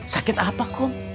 sakit apa kum